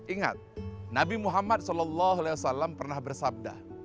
ingat nabi muhammad saw pernah bersabda